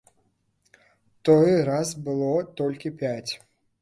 Той раз было толькі пяць.